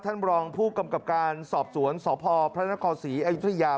ท่านบรองผู้กำกับการสอบสวนสอบพอร์พระนครศรีอายุทธิยา